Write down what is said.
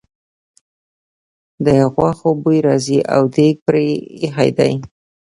د غوښو بوی راځي او دېګ پرې ایښی دی.